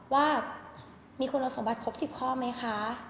ว่ามีคุณสมบัติครบ๑๐ข้อไหมคะ